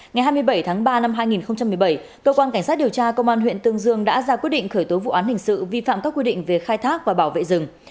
ngày hai mươi bảy tháng ba năm hai nghìn một mươi bảy cơ quan cảnh sát điều tra công an huyện tương dương đã ra quyết định khởi tố vụ án hình sự vi phạm các quy định về khai thác và bảo vệ rừng